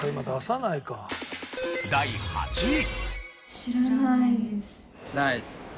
第８位。